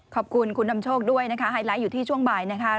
ขอบคุณคุณนำโชคด้วยนะคะไฮไลท์อยู่ที่ช่วงบ่ายนะคะ